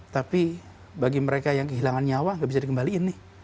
tapi bagi mereka yang kehilangan nyawa tidak bisa dikembalikan